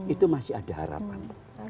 itu masih ada harapan